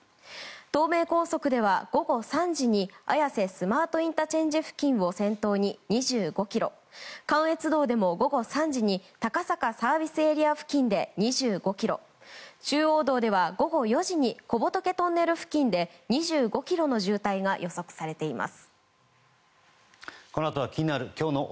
東名高速では、午後３時に綾瀬スマートＩＣ付近を先頭に２５ｋｍ関越道でも午後３時に高坂ＳＡ付近で２５ｋｍ中央道では午後４時に小仏トンネル付近で２５ｋｍの渋滞が予測されています。